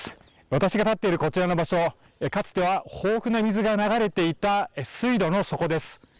私が立っているこちらの場所はかつては豊富な水が流れていた水路の底です。